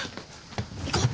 行こう。